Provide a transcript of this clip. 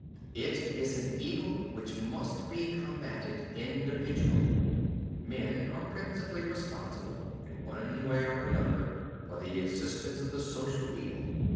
It is an evil which must be combatted individually. Men are principally responsible, in one way or another, for the existence of the social evil.